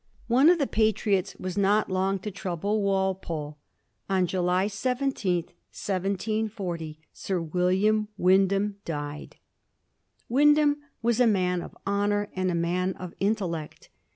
One of the Patriots was not long to trouble Walpole. On July 17, 1740, Sir William Wyndham died. Wynd ham was a man of honor and a man of intellect.